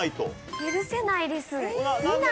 許せないです。